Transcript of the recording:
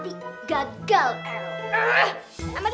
iya ini udah berhasil